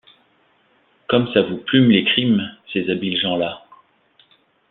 Comme ça vous plume les crimes, ces habiles gens-là!